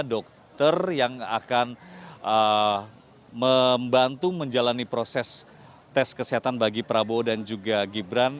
dokter yang akan membantu menjalani proses tes kesehatan bagi prabowo dan juga gibran